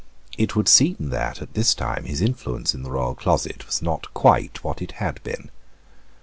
It should seem that, at this time, his influence in the royal closet was not quite what it had been.